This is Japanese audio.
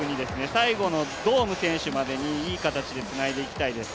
最後のドーム選手までにいい形でつないでいきたいです。